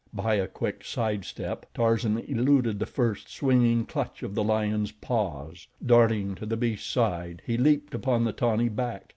By a quick side step, Tarzan eluded the first swinging clutch of the lion's paws. Darting to the beast's side, he leaped upon the tawny back.